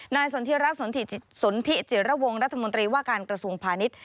นายสนทิระวงรัฐมนตรีว่าการกระทรวงพาณิชย์